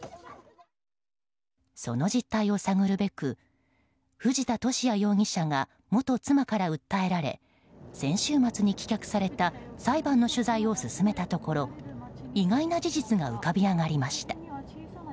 その実態を探るべく藤田聖也容疑者が元妻から訴えられ先週末に棄却された裁判の取材を進めたところ意外な事実が浮かび上がりました。